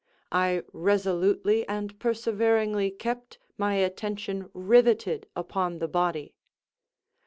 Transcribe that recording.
I resolutely and perseveringly kept my attention riveted upon the body.